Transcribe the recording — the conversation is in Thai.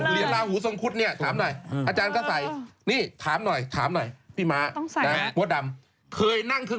สวมเรียนลาหูทรงคุฟี่อาจารย์ก็ใส่นี่ถามหน่อยพี่ม้าต้องใส่